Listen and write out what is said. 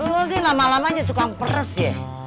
lo deh lama lama aja tukang peres ya